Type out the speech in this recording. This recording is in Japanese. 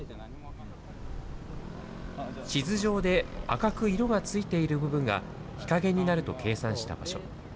地図上で赤く色がついている部分が、日陰になると計算した場所。